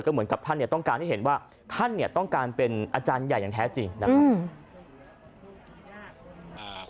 เหมือนกับท่านเนี่ยต้องการให้เห็นว่าท่านเนี่ยต้องการเป็นอาจารย์ใหญ่อย่างแท้จริงนะครับ